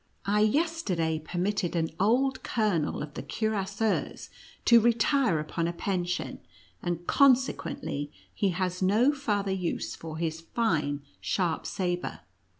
I yester day permitted an old colonel of the cuirassiers to retire upon a pension, and consequently he has no farther use for his fine sharp sabre."